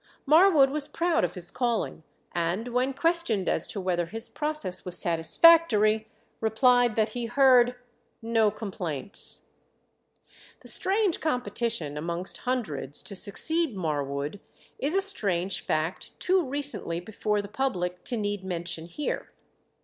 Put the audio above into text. Marwood was proud of his calling, and when questioned as to whether his process was satisfactory, replied that he heard "no complaints." The strange competition amongst hundreds to succeed Marwood is a strange fact too recently before the public to need mention here.